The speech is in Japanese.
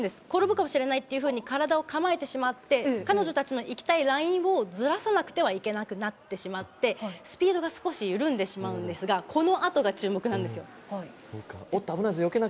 転ぶかもしれないというふうに体を構えてしまって彼女たちのいきたいラインをずらさなければいけなくなってしまってスピードが少し緩んでしまうんですがこのあとが注目なんですよ。